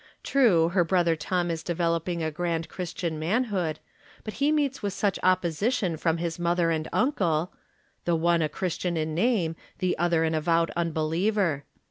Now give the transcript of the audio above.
True, her brother Tom is devel oping a grand Christian manhood, but he meets with much opposition iiom his mother and uncle — the one a Christian in name, the other an avowed unbehever.